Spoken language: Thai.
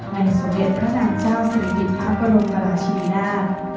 และโสเดชน์พระนางเจ้าซีริมิตพระบรมราชินา